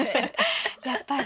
やっぱり？